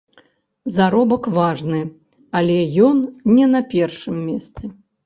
Заробак важны, але ён не на першым месцы.